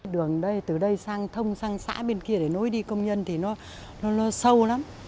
đường đây từ đây sang thông sang xã bên kia để nối đi công nhân thì nó sâu lắm